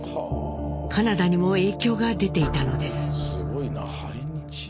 カナダにも影響が出ていたのです。